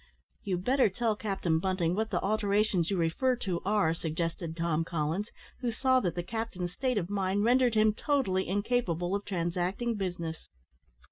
"You'd better tell Captain Bunting what the alterations you refer to are," suggested Tom Collins, who saw that the captain's state of mind rendered him totally incapable of transacting business.